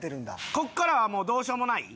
ここからはもうどうしようもない？